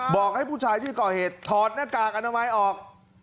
บอกให้ผู้ชายที่ก่อเหตุถอดหน้ากากอนามัยออก